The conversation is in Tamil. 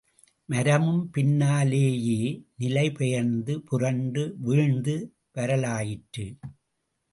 மரமும் பின்னாலேயே நிலை பெயர்ந்து புரண்டு வீழ்ந்து வரலாயிற்று.